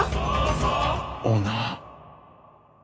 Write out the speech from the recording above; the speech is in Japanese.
オーナー。